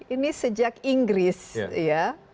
ini sejak inggris ya